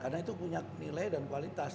karena itu punya nilai dan kualitas